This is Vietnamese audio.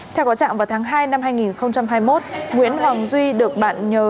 theo có trạng vào tháng hai năm hai nghìn hai mươi một nguyễn hoàng duy được bạn nhớ